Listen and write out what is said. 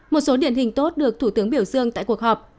một số điển hình tốt được thủ tướng biểu dương tại cuộc họp